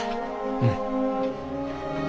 うん。